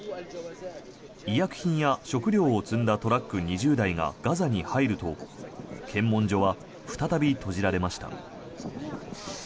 医薬品や食料を積んだトラック２０台がガザに入ると検問所は再び閉じられました。